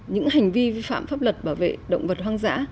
những hành vi vi phạm pháp luật bảo vệ động vật hoang dã